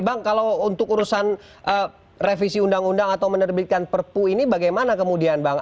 bang kalau untuk urusan revisi undang undang atau menerbitkan perpu ini bagaimana kemudian bang